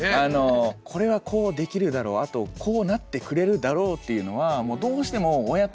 これはこうできるだろうあとこうなってくれるだろうっていうのはもうどうしても親として。